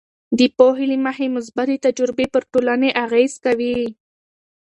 د پوهې له مخې، مثبتې تجربې پر ټولنې اغیز کوي.